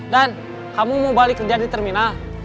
dan kamu mau balik kerja di terminal